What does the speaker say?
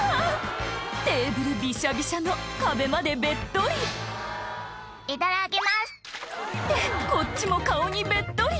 テーブルびしゃびしゃの壁までべっとり「いただきます！」ってこっちも顔にべっとり！